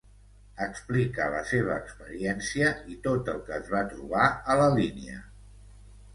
explica la seva experiència i tot el que es va trobar a la línia